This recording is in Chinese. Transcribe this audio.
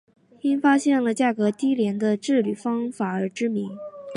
因发现了价格低廉的制铝方法而知名。